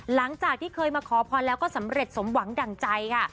หลังจากที่เคยมาขอพรแล้วก็สำเร็จสมหวังดั่งใจค่ะ